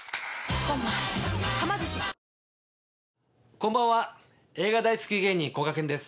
こんばんは映画大好き芸人こがけんです。